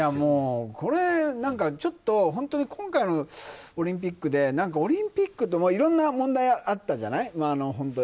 これ、ちょっと本当に今回のオリンピックでオリンピックっていろんな問題があったじゃない。